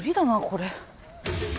これ